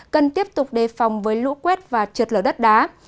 cần tiếp tục đề phòng với lũ quét và trượt lở đất đá